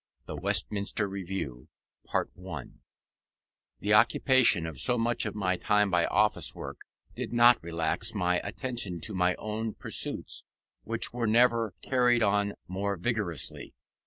THE "WESTMINSTER REVIEW" The occupation of so much of my time by office work did not relax my attention to my own pursuits, which were never carried on more vigorously.